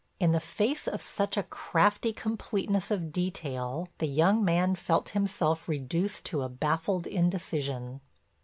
In the face of such a crafty completeness of detail the young man felt himself reduced to a baffled indecision.